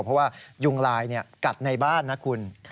เพราะว่ายุงลายกัดในบ้านนะคุณ